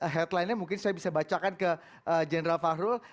headline nya mungkin saya bisa bacakan ke general fahru